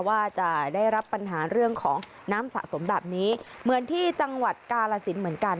ว่าจะได้รับปัญหาเรื่องของน้ำสะสมแบบนี้เหมือนที่จังหวัดกาลสินเหมือนกัน